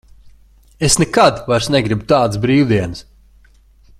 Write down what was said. Es nekad vairs negribu tādas brīvdienas.